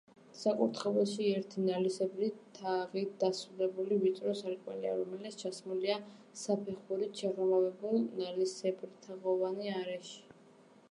საკურთხეველში ერთი, ნალისებრი თაღით დასრულებული, ვიწრო სარკმელია, რომელიც ჩასმულია საფეხურით შეღრმავებულ, ნალისებრთაღოვანი არეში.